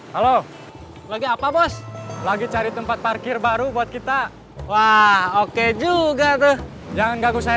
halo lagi apa bos lagi cari tempat parkir baru buat kita wah oke juga tuh jangan ganggu saya